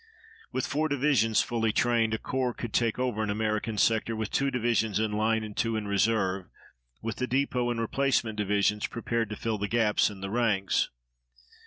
With four divisions fully trained, a corps could take over an American sector with two divisions in line and two in reserve, with the depot and replacement divisions prepared to fill the gaps in the ranks.